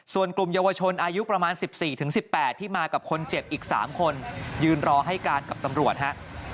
ส่วนกลุ่มเยาวชนอายุประมาณ๑๔๑๘ที่มากับคนเจ็บอีก๓คนยืนรอให้การกับตำรวจฮะ